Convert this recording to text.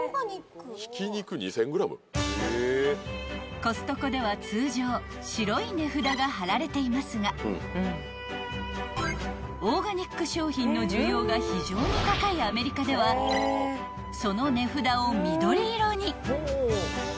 ［コストコでは通常白い値札が張られていますがオーガニック商品の需要が非常に高いアメリカではその値札を緑色に］